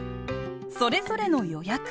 それぞれの予約。